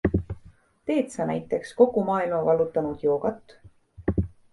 Teed sa näiteks kogu maailma vallutanud joogat?